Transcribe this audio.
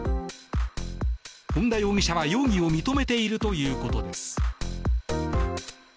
本田容疑者は容疑を認めているということです。